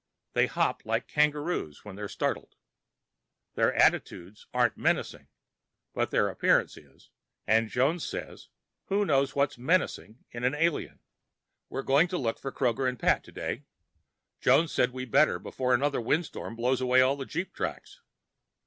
They hop like kangaroos when they're startled. Their attitudes aren't menacing, but their appearance is. And Jones says, "Who knows what's 'menacing' in an alien?" We're going to look for Kroger and Pat today. Jones says we'd better before another windstorm blows away the jeep tracks.